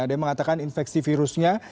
ada yang mengatakan infeksi virusnya